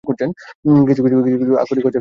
কিছু কিছু আকরিক হচ্ছে সালফাইডের।